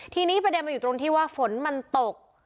ทีนี้ประเด็นมันอยู่ตรงที่ว่าฝนมันตก